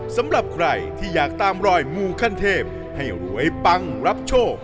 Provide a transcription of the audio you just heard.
สำหรับใครที่อยากตามรอยมูขั้นเทพให้รวยปังรับโชค